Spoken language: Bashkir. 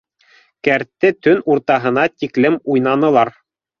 Кәртте төн уртаһына тиклем уйнанылар.